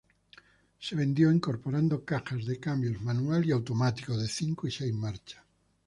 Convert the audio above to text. Se vendió incorporando cajas de cambios manual y automática de cinco y seis marchas.